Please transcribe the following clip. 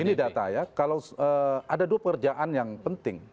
ini data ya kalau ada dua pekerjaan yang penting